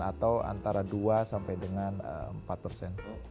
atau antara dua sampai dengan empat persen